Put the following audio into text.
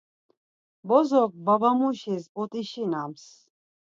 Bozok babamuşis ut̆işinams.